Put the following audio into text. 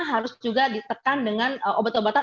harus juga ditekan dengan obat obatan